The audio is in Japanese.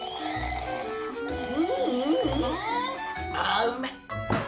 あうまい。